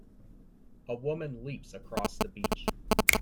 A woman leaps across the beach.